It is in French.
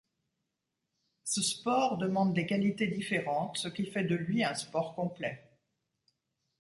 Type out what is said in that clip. Ce sport demande des qualités différentes ce qui fait de lui un sport complet.